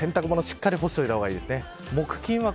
洗濯物しっかり干した方がいいですね。